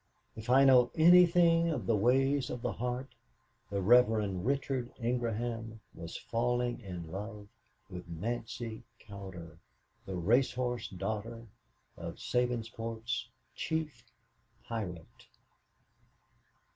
If I know anything of the ways of the heart, the Reverend Richard Ingraham was falling in love with Nancy Cowder the horse racing daughter of Sabinsport's chief pirate.